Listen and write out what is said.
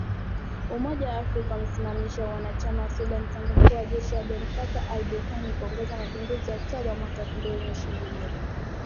Umoja wa Afrika, umesimamisha uanachama wa Sudan tangu mkuu wa jeshi Abdel Fattah al-Burhan kuongoza mapinduzi ya Oktoba mwaka elfu mbili ishirini na moja.